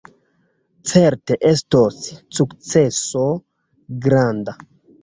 Certe estos sukceso granda!